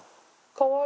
かわいい。